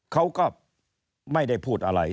เขาก็ไม่ได้พูดอะไร